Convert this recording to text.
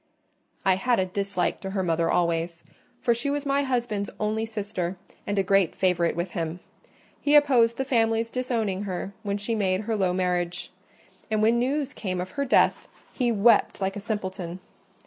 "I had a dislike to her mother always; for she was my husband's only sister, and a great favourite with him: he opposed the family's disowning her when she made her low marriage; and when news came of her death, he wept like a simpleton.